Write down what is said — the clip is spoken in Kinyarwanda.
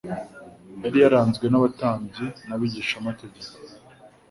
Yari yaranzwe n’abatambyi n’abigishamategeko,